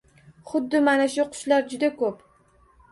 Xuddi mana shu qushlar juda ko’p.